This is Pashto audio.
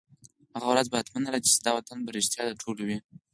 هغه ورځ به حتماً راځي، چي دا وطن به رشتیا د ټولو وي